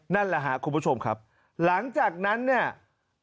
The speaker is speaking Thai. นั่นแหละครับคุณผู้ชมครับหลังจากนั้นเนี่ย